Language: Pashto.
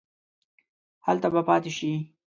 هلته به پاتې شې.